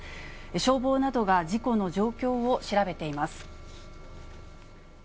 消防などが事故の状況を調べています。